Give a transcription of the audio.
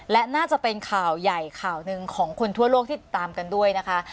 และน่าจะเป็นข่าวใหญ่ข่าวหนึ่งของคนทั่วโลกที่ติดตามกันด้วยนะคะ